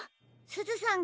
すずさん